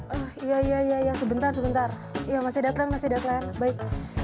oh iya iya iya sebentar sebentar ya masih datang masih datang baik